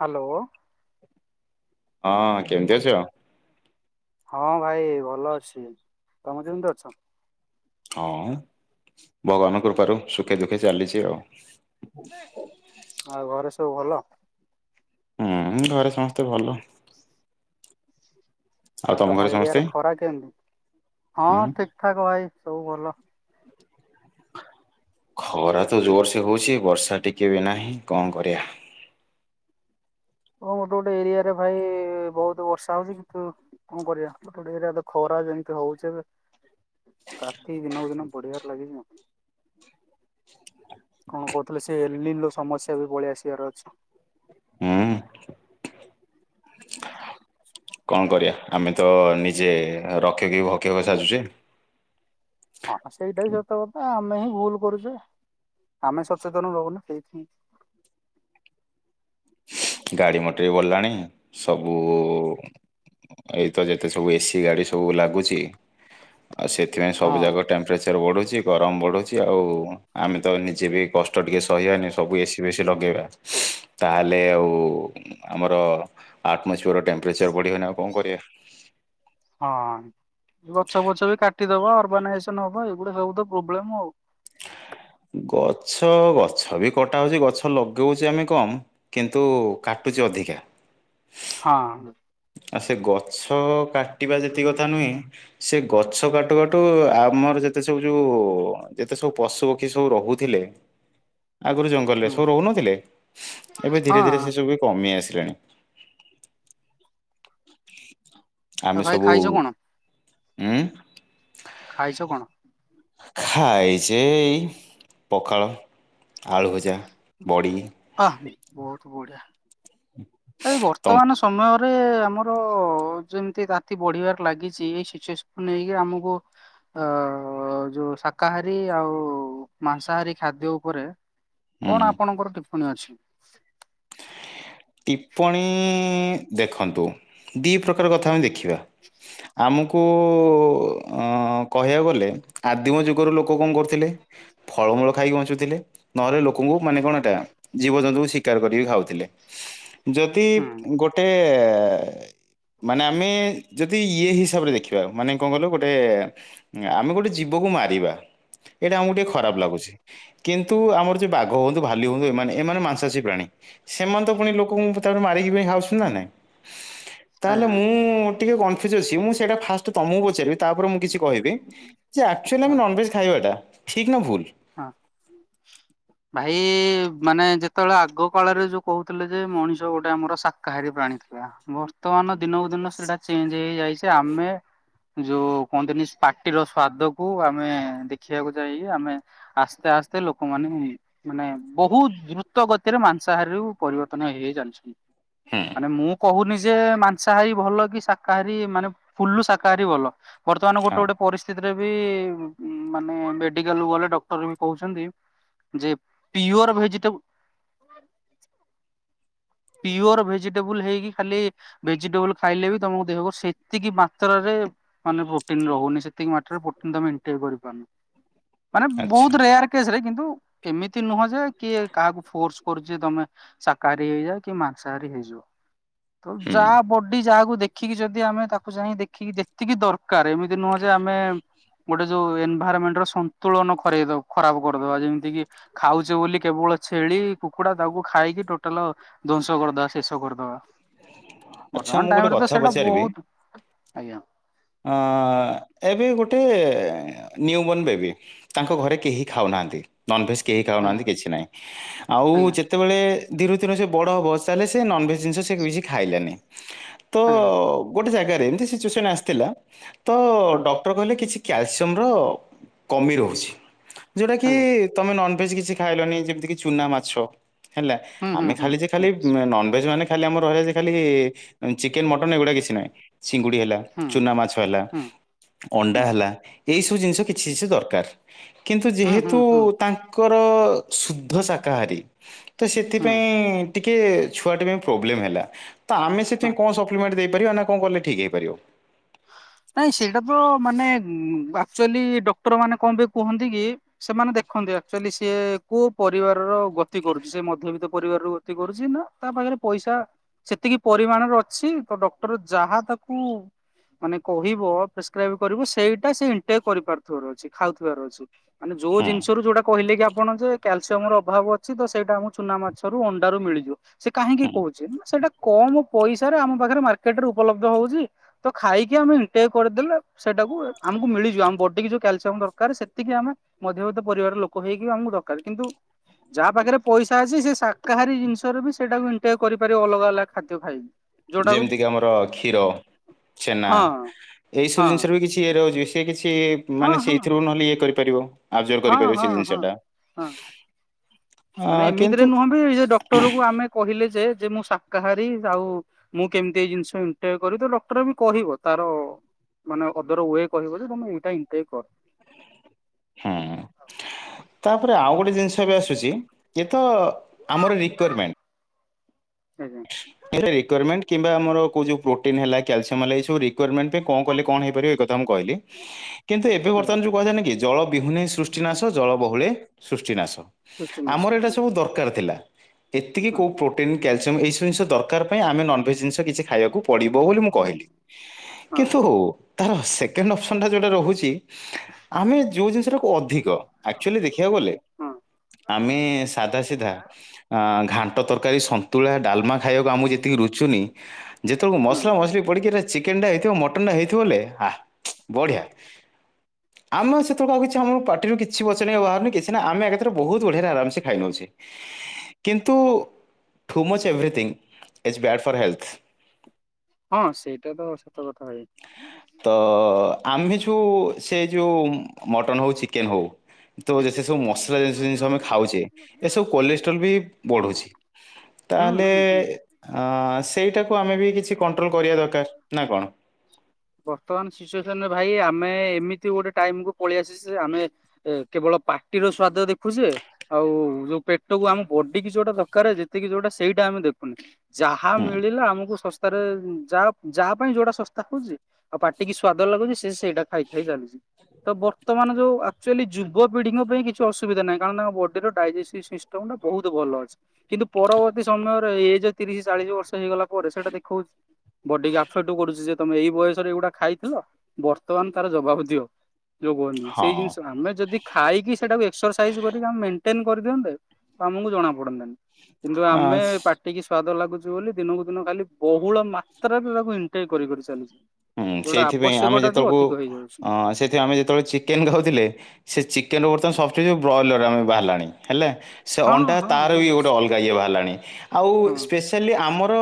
Hello ହଁ କେମିତି ଅଛ? ହଁ ଭାଇ ଭଲ ଅଛି, ତମେ କେମିତି ଅଛ? ହଁ ଭଗବାନଙ୍କ କୃପାରୁ ସୁଖେ ଦୁଃଖେ ଚାଲିଛି ଆଉ। ଆଉ ଘରେ ସ ସବୁ ଭଲ। ତ ଭଲ। ଆଉ ତମ ଏରିଆରେ ଖରା କେମତି? ହଁ ହୁଁ ଠିକ ଠାକ ଭାଇ। ସବୁ ଭଲ। ଖରା ତ ଜୋର ସେ ହଉଛି, ବର୍ଷା ଟିକେ ବି ନାହିଁ କଣ କରିବା। ଓ ଗୋଟେ ଗୋଟେ ଏରିଆରେ ଭାଇ ବହୁତ ବର୍ଷା ହଉଛି କିନ୍ତୁ କଣ କରିବା ଗୋଟେ ଗୋଟେ ଏରିଆ ତ ଖରା ଯେମିତି ହଉଚି ଏବେ ତାତି ଦିନକୁ ଦିନ ବଢିବାରେ ଲାଗିଛି କଣ କହୁଥିଲେ ସେ ସମସ୍ୟା ବି ପଳେଇ ଆସିବାର ଅଛି। ହଁ। [unintelligible] କଣ କରିବା ଆମେ ତ ନିଜେ ରଖିକି ଭକ୍ଷକ ସାଜୁଛେ। ହଁ ସେଇଟା ହିଁ ସତ କଥା ଆମେ ହିଁ ଭୁଲ କରୁଛେ ଆମେ ସଚେତନ ରହୁନୁ ସେଇଥି ପାଇଁ। ଗାଡି ମଟର ବି ବଡ଼ିଲାଣି ସବୁ ଏଇତ ଯେତେ ସବୁ ଏସି ଗାଡି ସବୁ ଲାଗୁଛି। ଆଉ ସେଥିପାଇଁ ହଁ ସବୁଯାକ ଟେମ୍ପରେଚର ବଢୁ ଛି ଗରମ ବଢୁଛି ଆଉ ଆମେ ତ ନିଜେ ବି କଷ୍ଟ ଟିକେ ସହିବାନି ସବୁ ଏସିି ବେଶି ଲଗେଇବା ତାହେଲେ ଆଉ। ଆଉ ଆମର ଆଟମୋସ୍ବିଅର। ଟେମ୍ପଚର ବଢିବ ନା ଆଉ କଣ କରିବା। ହଁ ଗଛ ଫଛ ବି କାଟିଦବା ଅର୍ଗାନାଇଜେସନ ହବ ଏଇଗୁଡା ସବୁ ତ ପ୍ରୋବ୍ଲେମ୍ ଆଉ। ଗଛ ଗଛ ବି କଟା ହଉଛି ଗଛ ଲଗଉଛି ଆମେ କମ କିନ୍ତୁ କାଟୁଚ ଅଧିକା। ହଁ। ଆଉ ସେ ଗଛ କାଟିବା ଯେତିକ କଥା ନୁହେଁ ସେ ଗଛ କାଟୁ କାଟୁ ଆମର ଯେତେ ସବୁ ଯୋଉ। ଯେତେ ସବୁ ପଶୁପକ୍ଷୀ ସବୁ ରହୁଥିଲେ। ଆଗରୁ ଜଙ୍ଗଲରେ ହୁଁ। ସବୁ ରହୁନଥିଲେ, ଏବେ ହଁ ଧୀରେ ଧୀରେ ସେ ସବୁ ବି କମି ଆସି ଲେଣି। ଆଉ ଆମେ ଭାଇ ସବୁ। ଖାଇଛ କଣ ଉଁ ଖାଇଛ କଣ? ଖାଇଛି ଏଇ ପଖାଳ, ଆଳୁ ଭଜା। ବଡ଼ି। ଆ ବହୁତ ବଢ଼ିଆ। ଏଇ ତମ ବର୍ତ୍ତମାନ ସମୟ ରେଏଏ ଆମର ଯେମିତି ତାତି ବଢିବାରେ ଲାଗିଛି ଏଇ ସିଚୁଏସନକୁ ନେଇକି ଆମକୁ ଅଅଅ ଯୋଉ ଶାକାହାରୀ ଆଉ ମାଂସାହାରୀ ଖାଦ୍ୟ ଉପରେ କଣ ହୁଁ ଆପଣଙ୍କର [unintelligible] [unintelligible] ଅଛି। ଟିପ୍ପଣୀଇଇ ଦେଖନ୍ତୁ ଦି ପ୍ରକାର କଥା ଆମେ ଦେଖି ବା ଆମୁକୁ କୁଉଉ ଅଁଅଁ କହିବାକୁ ଗଲେ ଆଦିମ ଯୁଗର ଲୋକ କଣ କରୁ ଥିଲେ ଫଳମୂଳ ଖାଇକି ବଞ୍ଚୁ ଥିଲେ ନହେଲେ ଲୋ ଙ୍କୁ ମାନେ କଣ ଏଇଟା ଜୀବ ଜନ୍ତୁଙ୍କୁ ଶିକ୍ କାର କରିକି ଖାଉଥିଲେ। ଯଦି ହୁଁ ଗୋଟେଏଏ ଏଇଇଇ ମାନେ ଆମେ ଯଦି ଇଏ ହିସାବରେ ଦେଖିବା ମାନେ କଣ କହିଲ ଗୋଟେ ଆମେ ଗୋଟେ ଜୀବକୁ ମାରିବା ଏଇଟା ଆମକୁ ଟିକେ ଖରାପ ଲାଗୁଛି। କିନ୍ତୁ ଆମର ଯେ ବାଘ ହୁଅନ୍ତୁ ଭାଲୁ ହୁଅନ୍ତୁ ଏମାନେ ଏମାନେ ମାଂସାଶୀ ପ୍ରାଣୀ ସି୍ ଏମାନେ ତ ପୁଣି ଲୋକଙ୍କୁ ତାପରେ ମାରିକି ପାଇଁ ଖାଉଛନ୍ତି ନା ନାଇଁ [inaudible] [inaudible] ତାହେଲେ ଆଜ୍ଞା ମୁଁଉଉଉ ଟିକେ କନଫ୍ୟୁଜ୍ ଅଛି ମୁଁ ସେଇଟା ଫାଷ୍ଟ୍ ତମୁକୁ ପଚାରିବି ତାପରେ ମୁଁ କିଛି କହିବି, ଯେ ଆକ୍ଚୁଆଲି ଆମେ ହଁ ନନଭେଜ୍ ଖାଇବାଟା ଠିକ୍ ନାଁ ଭୁଲ୍? ହଁ [inaudible] ଭାଇ ଇଇଇ ମାନେ ଯେତଳେ ଆଗ କାଳରେ ଯୋଉ କହୁଥିଲେ ଯେ ମଣିଷ ଗୋଟେ ଆମର ଶାକାହାରୀ ପ୍ରାଣୀ ଥିଲା, ବର୍ତ୍ତମାନ ଦିନକୁ ଦିନ ସେଟା ଚେଞ୍ଜ୍ ହେଇହେଇଯାଇ ସେ ଆମେ ଯୋଉ କୁହନ୍ତିନି ସ୍ପା ପାଟିର ସ୍ଵାଦକୁୁ ଆମେ ଦେଖିବାକୁ ଯାଇ ଆମେ ଆସ୍ତେ ଆସ୍ତେ ଲୋକମାନେ ମାନେ ବହୁ ଦ୍ରୁତ ଗତିରେ ମାଂସହାରୀରୁ ପରିବର୍ତ୍ତନ ହେଇ ହେଇ ଚାଲିଛନ୍ତି। ମାନେ ମୁଁ କହୁନି ଯେ ମାଂସାହାରୀ ଭଲ କି ଶାକାହାରୀ ମାନେ ଫୁଲୁ ଶାକାହାରୀ ଭଲ ବର୍ତ୍ତମାନ ଗୋଟେ ହଁ ଗୋଟେ ପରିସ୍ଥିତି ରେ ବିଇଇ ମାନେ ମେଡିକାଲକୁ ଗଲେ ଡକ୍ ଡକ୍ଟର ବି କହୁଛନ୍ତି ଯେ ପିଓର୍ ଭେଜିଟେବୁଲ୍ ପିଓର ଭେଜିଟେବୁଲ୍ ହେଇକି ଖାଲି ଭେଜିଟେବୁଲ୍ ଖାଇଲେ ବି ତମ ଦେହକୁ ସେତିକି ମାତ୍ରାରେ ମାନେ ପ୍ରୋଟିନ୍ ରହୁନି ସେତିକି ମାତ୍ରାରେ ପ୍ରୋଟିନ୍ ତମେ ଏଣ୍ଟ୍ରି କରିପାରୁନ ମାନେ ଆଚ୍ଛା ବହୁତ ରେୟାର୍ କେସରେ କିନ୍ କିନ୍ତୁ କେମିତି ନୁହଁ ଯେ କିଏ କାହାକୁ ଫୋର୍ସ କରୁଛି ତମେ ଶାକାହାରୀ ହେଇଯା କି ମାଂସାହାରୀ ହେଇଯିବ। ତୁ ହୁଁ ଯା ବଡି ଯାହାକୁ ଦେଖିକି ଯଦି ଆମେ ତାକୁ ଯାଇ ଦେଖିକି ଯେତିକି ଦରକାର ଏମିତି ନୁହଁ ଯେ ଆମେ ଗୋଟେ ଯୋଉ ଏନଭାଇରମେଣ୍ଟର ସନ୍ତୁଳନ ହ ହରେଇ ଦବୁ ଖରାପ କରିଦବା ଯେମିତି କି ଖାଉଛେ ବୋଲି କେବଳ ଛେଳି କୁକୁଡା ତାକୁ ଖାଇକି ଟୋଟାଲ ଧ୍ଵଂସ କରିଦବା ଶେଷ କରିଦବା। ଆଚ୍ଛା ବର୍ତ୍ତମାନ ମୁଁ ଗୋଟେ ଟାଇମରେ ତ କଥା ସେଇଟା ବହୁତ ଆଜ୍ଞା। ଆଁ ଏବେ ଗୋଟେ ନିଉ ବର୍ଣ୍ଣ ବେବି ତାଙ୍କ ଘରେ କେହି ଖାଉନାହାନ୍ତି ନନଭେଜ୍। କେହି ଆଜ୍ଞା ଖାଉନାହାନ୍ତି କିଛି ନାହିଁ ଆଉ ଆଜ୍ଞା ଯେତେବେଳେ। ଦିନ କୁ ଦିନ ସେ ବଡ଼ ହବ ତାହେଲେ ସେ ନନଭେଜ ଜିନିଷ ସେ କିଛି ଖାଇଲାନି। ତ ଆଜ୍ଞା ଅ ଗୋଟେ ଜାଗାରେ। ଏମତି ସିଚ୍ୟେସନ ଆସି ଥିଲା। ତ ହଁ ଡକ୍ଟର କହିଲେ କିଛି। କ୍ୟାଲସିୟମ ର କମି ରହୁଛି। ଯୋଉଟା କି ଆଜ୍ଞା ତମେ ନନ ଭେଜ କିଛି ଖାଇଲନି ଯେମିତି କିି ଚୁନା ମାଛ। ହେଲା ହୁଁ ହୁଁ ଆମେ ହୁଁ ଖାଲି ଯେ ଖାଲି ଉ ନନଭେଜ ମାନେ ଖାଲି ଆମର ରହିଲା ଯେ ଖାଲି ଆଁ ଚିକେନ ମଟନ ଏଗୁଡା କିଛି ନାହିଁ ଚିଙ୍ଗୁଡି ହେଲା। ହୁଁ ହୁଁ ଚୁନା ମାଛ ହେଲା ହୁଁ ହୁଁ ଅଣ୍ଡା ହୁଁ ହେଲା ଏଇସବୁ ଜିନିଷ କିଛି କିଛି ଦରକାର୍। କିନ୍ତୁ ହୁଁ ହୁଁ ଯେହେତୁ ହୁଁ ତାଙ୍କ। ର ସୁଦ୍ଧ ଶାକାହାରୀ। ତ ହୁଁ ସେଥିପାଇଁ ଟିକେ ଛୁଆଟେ ପାଇଁ ପ୍ରୋବ୍ଲେମ ହେଲା। ତ ଆମ ହଁ ସେଥିପାଇଁ କଣ ସପ୍ଲିମେଣ୍ଟ ଦେଇ ପାରିବା ନା କଣ କଲେ ଠିକ୍ ହେଇପାରିବ। ନାଇଁ ସେଇଟା ତ ମାନେ ଉଁ ଆକ୍ଚୁଆଲି ଡକ୍ଟର ମାନେ କଣ ପାଇଁ କୁହନ୍ତି କି ସେମାନେ ଦେଖନ୍ତି ଆକ୍ଚୁଆଲି ସିଏ କୋଉ ପରିବାରର ଗତି କରୁଛି ସେ ମଧ୍ୟବିତ୍ତ ପରିବାର ରୁ ଗତି କରୁଛି ନା ତା ପାଖରେ ପଇସା ସେତିକି ପରିମାଣରେ ଅଛି ତ ଡକ୍ଟର ଯାହା ତାକୁ ମାନେ କହିବ ପ୍ରେସକ୍ରାଇବ କରିବ ସେଇଟା ସେ ଇନ୍ଟେକ କରିପାରୁଥିବାର ଅଛି ଖାଉଥିବାର ଅଛି। ମାନେ ଯୋଉ ହୁଁ ଜିନିଷରୁ ଯୋଉଟା କହିଲେ କି ଆପ ଆପଣ ଯେ କ୍ୟାଲସିୟମ ର ଅଭାବ ଅଛି ତ ସେଇଟା ଆମକୁ ଚୁନା ମାଛରୁ ଅଣ୍ଡାରୁ ମିଳିଯିବ। ସେ କାହିଁକି ହୁଁ କହୁଛି ନା ସେଇଟା କମ ପଇସାରେ ଆମ ପାଖରେ ମାର୍କେଟ ରେ ଉପଲବ୍ଧ ହଉଚି। ତ ଖାଇକି ଆମେ ଇଣ୍ଟେକ କରିଦେଲେ ସେଟାକୁ ଆମକୁ ମିଳିଯିବ ଆମ ବଡି କି ଯୋଉ କ୍ୟାଲସିୟମ ଦରକାର ସେତିକି ଆମେ ମଧ୍ୟବିତ୍ତ ପରିବାରର ଲୋକ ହେଇକି ଆମକୁ ଦରକାର କିନ୍ତୁ ଯାହା ପାଖରେ ପଇସା ଅଛି ସେ ଶାକାହାରୀ ଜିନିଷ ଟାରେ ବି ସେଇଟାକୁ ଇଣ୍ଟେକ କରିପାରିବ ଅଲଗା ଅଲଗା ଖାଦ୍ୟ ଖାଇ ଯୋଉଟାକୁ ଯେମିତିକି ଆମର କ୍ଷୀର ଛେନା ହଁ ଏଇ ସବୁ ହଁ ଜିନିଷ ରେ ବି କିଛି ଏରେ ରହୁଛି ସେ କିଛି କି ହଁ ମାନେ ହଁ। ସେଇଥିରୁ ନହଲେ ଇଏ କରି ପାରିବ। ଆବଜରଭ ହଁ କରିପାରିବ ହଁ ସେ ଜିନିଷ ହଁ ଟା। ହଁ ଅ ମାନେ ଏମିତିରେ କିନ୍ତୁ ନୁହଁଵି ଡକ୍ଟରକୁ ଆମେ। କହିଲେ ଯେ ମୁଁ ଶାକାହାରୀ ଆଉ ମୁଁ କେମିତି ଏଇ ଜିନିଷ କେମିତି ଇଣ୍ଟଟେକ୍ କରିବି ଡକ୍ଟର ବି କହିବ ତାର ମାନେ ଅଦର୍ ୱେ କହିବ ଯେ ତମେ ଏଇଟାଣ୍ [inaudible] କର। ହୁଁ ତା ତାପରେ ଆଉ ଗୋଟେ ଜିନିଷ ବି ଆସୁଛି। ଏ ତ ଆମର ରିକଵାରମେଣ୍ଟ ଆଜ୍ଞା। ଏ ତ ରିକ୍ୱାୟରମେଣ୍ଟ। କିମ୍ବା ଆମର କୋଉ ଯୋଉ ପ୍ରୋଟିନ୍ ହେଲା କ୍ୟାଲ୍ସିୟମ୍ ହେଲା ଏଇ ସବୁ ରି ରିକ୍ୱାୟରମେଣ୍ଟ କଣ କଲେ କଣ ହେଇପାରିବ ଏ କଥା ମୁଁ କହିଲି କିନ୍ତୁ ଏବେ ଆଜ୍ଞା ବର୍ତମାନ ଯୋଉ କୁହା ଯାଏ ନାହିଁ କି। ଜଳ ବିହୁୁନେ ସୃ ସୃଷ୍ଟିନାଶ ଜଳ ବହୁଳେ ସୃଷ୍ଟିନାଶ କ୍ରିଷ୍ଟିଆନ ଆମର ଏଇଟା ଆସନ୍ତୁ ସବୁ ଦରକାର ଥିଲା। ଏତିକି ହଁ। କୋଉ ପ୍ରୋଟିନ୍ କ୍ୟାଲସିୟମ୍ ଏଇ ସ ଦରକାର ପାଇଁ ଆମେ ନ [inaudible] ଏ ଜିନିଷ କିଛି। ଖାଇବାକୁ ପଡିବ ବୋଲି ମୁଁ କହିଲି ହଁ କିନ୍ତୁ। ତାର ସେକେଣ୍ଡ ଅପସନ୍ଟା ଯେଉଁଟା ରହୁଛି। ଆମେ ଯୋଉ ଜିନିଷ ଟାକୁ ଅଧିକ ଆକ୍ଚୁଆଲି ଦେଖିବାକୁ ଗଲେ ହଁ ଆମେ ସାଧା ସିଧା ଘାଣ୍ଟ ତରକାରୀ, ସନ୍ତୁଳା, ଡାଲମା। ଆମକୁ ଯେତିକି ରୁଚୁନି ଯେତେବେଳକୁ ହୁଁ ମସଲା ମସଲି ପଡିି ଚେକେନଟା ହେଇଥିବ ମଟନଟା ହେଇଥିବ ବେଲେ ଆଃ ଚୁଁ ବଢିଆ ଆମ ସେତେବେଳକୁ ଆଉ କିଛି ଆମ ପାଟିରୁ କିଛି ବଚନ ଆଉ ବାହାରୁନି କିଛି ନା ଆମେ ଏକାଥରେ ବହୁତ ବଢିଆରେ ଆରାମସେ ଖାଇ ନଉଚେ କିନ୍ତୁ too much everything. Is bad for health. ହଁ ସେଇଟା ତ ସତ କଥା ଭାଇ। ତ [unintelligible] ଆମେ ଯେଉଁ ସେ ଯେଉଁ ମଟନ୍ ହଉ ଚିକେନ୍ ହଉ। ତ ଯେତେ ସବୁ ମସଲା ଜିଷ ଜିନିଷ ଆମେ ଖାଉଛେ ଏସବୁ କୋଲେଷ୍ଟ୍ରୋଲ ବି ବଢୁଛି ହୁଁ ତାହେଲେ। ହୁଁ ହୁଁ। ଆଁ ସେଇଟାକୁ ଆମେ ବି କିଛି। କଣ୍ଟ୍ରୋଲ କରିବା ଦରକାର ନା କଣ। ବର୍ତ୍ତମାନ ସିଚୁଏସନରେ ଭାଇ ଆମେ ଏମିତି ଗୋଟେ ଟାଇମକୁୁ ପଳେଇ ଆସିଛେ ଆମେ କେବଳ ପାଟିର ସ୍ଵାଦ ଦେଖୁଛେ ଆଉ ଯୋଉ ପେଟକୁ ଆମ ବଡି କି ଯୋଉଟା ଦରକାର ଯେତିକି ଯୋଉଟା ସେଇଟା ଆମେ ଦେଖୁନେ। ଯାହା ହୁଁ, ମିଳିଲା ଆମକୁ ଶସ୍ ତାରେ ଯା ଯାହା ପାଇଁ ଯୋଉଟା ଶସ୍ତା ହଉଛି ଆଉ ପାଟିକି ସ୍ଵାଦ ଲାଗୁଛି ସେ ସେଇଟା ଖାଇ ଖାଇ ଚାଲିଛି ତ ବର୍ତ୍ତମାନ ଯୋଉ ଆକ୍ଚୁଆଲି ଯୁବପିଢିଙ୍କ ପାଇଁ କିଛି ଅସୁବିଧା ନାହିଁ କାରଣ ତାଙ୍କ ବଡିର ଡାଇଜେସସିଭ ସିଷ୍ଟମ ଟା ବହୁତ ଭଲ ଅଛି। କିନ୍ତୁ ପରବର୍ତ୍ତୀ ସମୟ। ଏଜ ତିରିଶ ଚାଳିଶ ବର୍ଷ ହେଇଗଲା ପରେ ସେଟା ଦେଖ୍ [unintelligible] ବଡିକୁ ଆଫେକ୍ଟ କରୁଛି ଯେ ତମେ ଏଇ ବୟସରେ ଏଗୁଡା ଖାଇଥିଲ ବର୍ତ୍ତମାନ ତାର ଜବାବ ଦିଅ। [unintelligible] ସେଇ ହଁ ଜିନିଷ ଆମେ ଯଦି ଖାଇକି ସେଇଟାକୁ ଏକ୍ସରସାଇଜ କରିକି ଆମେ ମେନ୍ ଟେନ୍ କରିଦିଅନ୍ତେ ତ ଆମକୁ ଜଣା ପଡନ୍ତାନି। କିନ୍ତୁ ଆମେ ଆ, ପାଟିକି ସ୍ଵାଦ ଲାଗୁ [unintelligible] ବୋଲି ଦିନକୁ ଦିନ ଖାଲି ବହୁଳ ମାତ୍ରାରେ ତାକୁ ଇନ୍ଟେକ୍ କରି କରି ଚାଲିଛେ। ହୁଁ ସେଇଥିପାଇଁ ଆମେ ଯେତେବେଳକୁ ହେଇଯାଉଛି। ଅ ସେଇଥିପାଇଁ ଆମେ ଯେତେବେଳେ ଚିକେନ ଖାଉଥିଲେ ସେ ଚିକ୍ କେନ୍ ବର୍ତ୍ତମାନ ସବଷ୍ଟିଚିଉଡ ବ୍ରଏଲର ଆମେ ବାହାରିଲାଣି ହେଲେ ସେ ହଁ ଅଣ୍ଡା ହଁ ତାର ହଁ ବି ଗୋଟେ ଅଲଗା ଇଏ ବାହାରିଲଣି ଆଉ ହଁ। ସ୍ପେସାଲି ଆମର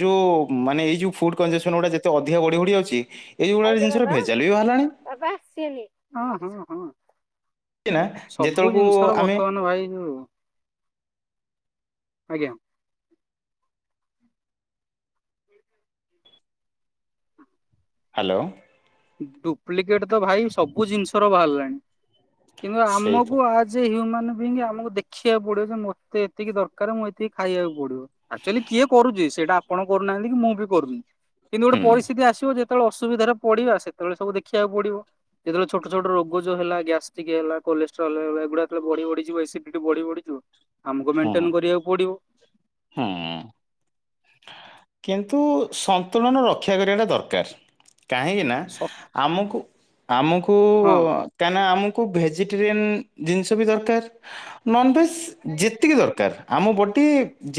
ଯୋଉ ମାନେ ଏଇ ଯୋଉ ଫୁଡ୍ କଞେସନ୍ ଗୁଡା ଯେତେ ଅଧିକ ବଢି ଯାଉଛି ଏଇ ଗୁଡା ଆଇଲେ ଜିନିଷର ବାବା ଭେଜାଲ ବି ବାହାରିଲାଣି ବାବା ଆସିଲି ହଁ ହଁ ହଁ ନା ସବୁ ଯେତେବେଳକୁ ଜିନିଷର ଆମେ ବର୍ତ୍ତମାନ ଭାଇ ଯୋଉ ଆଜ୍ଞା ହାଲୋ ଡୁପ୍ଲିକେଟ ତ ଭାଇ ସବୁ ଜିନିଷର ବାହାରିଲାଣି। କିମ୍ବା ସେଇ ଆମକୁ ତ ଆଜି ହ୍ୟୁମାନ ଆମକୁ ଦେଖିବାକୁ ପଡିବ ଯେ ମତେ ଏତିକି ଦରକାର ମୁଁ ଏତିକି ଖାଇବାକୁ ପଡିବ ଆକ୍ଚୁଆଲି କିଏ କରୁଛି ସେଇଟା ଆପଣ କରୁନାହାନ୍ତି କି ମୁଁ ବି କରୁନି କିନ୍ତୁ ଗୋଟେ ହୁଁ ପରିସ୍ଥିତି ଆସିବ ଯେ କେତେ ବେଳେ ଅସୁବିଧାରେ ପିଡ଼ିବା ସେତେବେଳେ ସବୁ ଦେଖିବାକୁ ପଡିବ ଯେେବେଳେ ଛୋଟ ଛୋଟ ରୋଗ ଯୋଉ ହେଲା ଗ୍ୟାଷ୍ଟ୍ରିକ ହେଲା କୋଲେଷ୍ଟ୍ରଲ ହେଲା ଏଗୁଡାତେଳେ ବଢି ବଢଯିବ ଏସିଡିଟି ବଢି ବଢଯିବ ଆମକୁ ହୁଁ ମେଣ୍ଟେନ କରିବାକୁ ପଡିବ ହୁଁ କିନ୍ତୁ ସନ୍ତୁଳନ ରକ୍ଷା କରିବା ଟା ଦରକାର କାହିଁକିନା ସ ଆମକୁ ଆମକୁ କୁ ହଁ କାଇଁକିନା ଆମକୁ କଉ ଭେଜିଟେରିଆନ ଜିନିଷ ବି ଦରକାର ନନ ଭେଜ ଯେତିକି ଦରକାର ଆମ ବଡି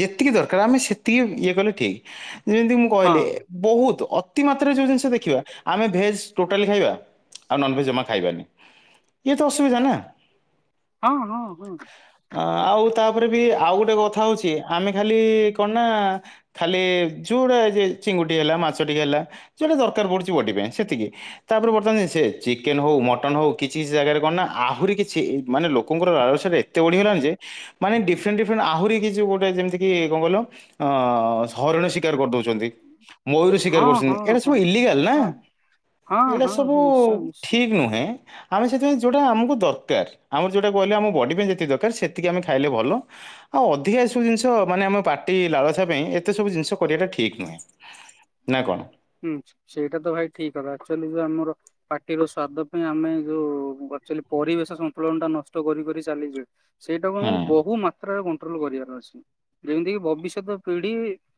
ଯେତିକି ଦରକାର ଆମେ ସେତିକି ଇଏ କଲେ ଠିକ୍। ଯେମିତି ମୁଁ ହଁ କହିଲେ ବହୁତ ଅ ତିମତ। ତ୍ରେ ଯଉ ଜିନିଷ ଦେଖିବା ଆମେ ଭେଜ। ଟୋଟାଲି ଖାଇବା ଆଉ ନନଭେଜ ଜମା ଖାଇବାନି ଇଏ ତ ଅସୁବିଧା ନା। ହଁ ହଁ ହଁ ଅ ଆଉ ତାପରେ ବି ଆଉ ଗୋଟେ କଥା ହଉଛି। ଆମେ ଖାଲି କଣ ନା ଖାଲି ଯୋଉୁଟା ଯେ ଚିଙ୍ଗୁଡ଼ି ହେଲା ମାଛ ଟିକେ ହେଲା ଯଉଟା ଦରକାର ପଡୁଛି ବଡ଼ି ପାଇଁ ସେତିକି ତାପରେ ବର୍ତ୍ତମାନ ସେ ଚିକେନ ହଉ ମଟନ ହଉ କିଛି କିଛି ଜାଗାରେ କଣ ନା ଆହୁରି କିଛି ମାନେ ଲୋକଙ୍କର ଲାଳସା ଟା ଏ ତେ ବଢ଼ିଗଲାଣି ଯେ ମାନେ ଡିଫରେଣ୍ଟ ଡିଫରେଣ୍ଟ ଆହୁରି। କିଛି ଗୋ ଯେମିତି କି କଣ କହିଲୁ। ହରିଣ ଶିକାର କରିଦଉଛନ୍ତି ମୟୂର ଶିକାର କରୁଛନ୍ତି ହଁ ଏଇଟା ହଁ ହଁ ସବୁ ହଁ ଇଲିଗାଲ ନା ହଁ ହଁ ଏଇଟା ହଁ ସବୁ ନିଶ୍ଚୟ ନିଶ୍ଚୟ। ଠିକ ନୁହେଁ। ଆମେ ସେଥିପାଇଁ ଯେଉଁଟା ଆମକୁ ଦରକାର ଆମର ଯେଉଁଟା କହିଲେ ଆମ ବଡ଼ି ପାଇଁ ଯେତିକି ଦରକାର ସେତିକି ଆମେ ଖାଇଲେ ଭଲ ଆଉ ଅଧିକା ସ ଏ ସବୁ ଜିନିଷ ମାନେ ଆମ ପାଟି ଲାଳସା ପାଇଁ ଏତେ ସବୁ ଜିନିଷ କରିବାଟା ଠିକ୍ ନୁହେଁ ନା କଣ। ହୁଁ ସେଇଟା ତ ଭାଇ ଠିକ କଥା ଆକଚୁଆଲି ଯୋଉ ଆମର ପାଟିର ସ୍ଵାଦ ପାଇଁ ଆମେ ଯୋଉ ଆକଚୁଆଲି ପରିବେଶ ସନ୍ତୁଳନ ଟା ନଷ୍ଟ କରି କରି ଚାଲିଛେ। ସେଇଟାକୁ ମୁଁ ହୁଁ ବହୁ ମାତ୍ରାରେ ଗୁ କଣ୍ଟ୍ରୋଲ କରିବାର ଅଛି ଯେମତି ଭବିଷ୍ୟତ ପିଢି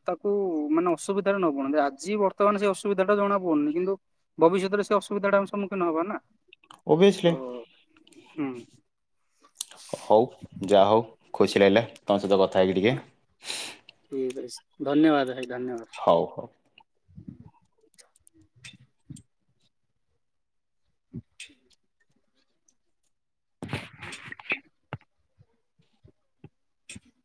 ତାକୁ ମାନେ ଅସୁବିଧାରେ ନ ପଡନ୍ତି ଆଜି ବର- ନ ସେ ଅସୁବିଧା ଜଣା ପଡୁନି କିନ୍ତୁ ଭବିଷ୍ୟତରେ ସେ ଅସୁବିଧାଟା ଆମେ ସମ୍ମୁଖୀନ ହବା ନା। ତ ଓଭିଅସଲି। ହୁଁ ହଉ ଯାହା ହଉ ଖୁସି ଲାଗିଲା ତମ ସହିତ କ ଯାଇକି ଟିକେ। ଠିକ ଅଛି ଧନ୍ୟବାଦ ଭାଇ। ଧନ୍ୟବାଦ୍। ହଉ ହଉ [unintelligible] [unintelligible]